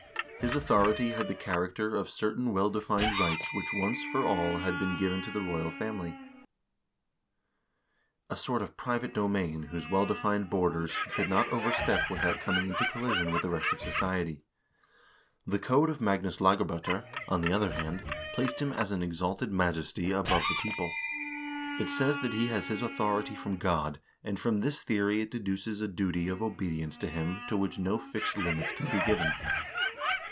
His authority had the character of certain well defined rights which once for all had been given to the royal family, a sort of private domain whose well defined borders he could not overstep without coming into colli sion with the rest of society. The ' Code of Magnus Lagab0ter,' on the other hand, placed him as an exalted majesty above the people. It says that he has his authority from God, and from this theory it deduces a duty of obedience to him to which no fixed limits can be given."